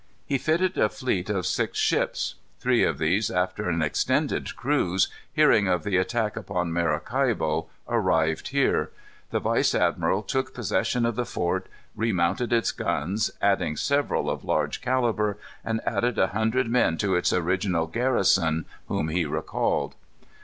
He fitted a fleet of six ships. Three of these, after an extended cruise, hearing of the attack upon Maracaibo, arrived here. The vice admiral took possession of the fort, remounted its guns, adding several of large calibre, and added a hundred men to its original garrison whom he recalled."